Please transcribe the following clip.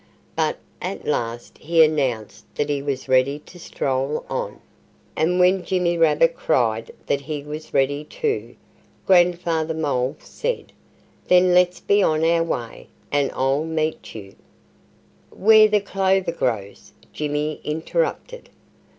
But at last he announced that he was ready to stroll on. And when Jimmy Rabbit cried that he was ready, too, Grandfather Mole said, "Then let's be on our way! And I'll meet you " "Where the clover grows!" Jimmy interrupted.